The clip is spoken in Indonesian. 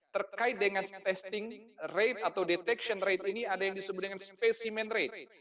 terkait dengan testing rate atau detection rate ini ada yang disebut dengan specimen rate